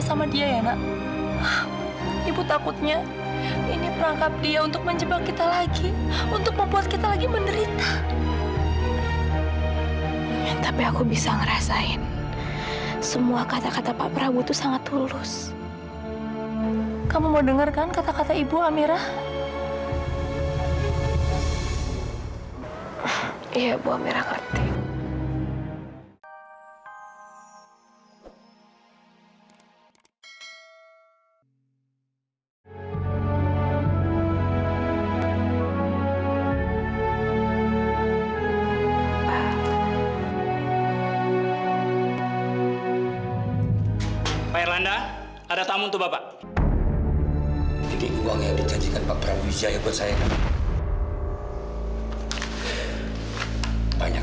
sampai jumpa di video selanjutnya